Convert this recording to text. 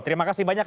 terima kasih banyak